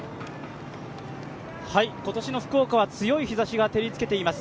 今年の福岡は強い日ざしが照りつけています。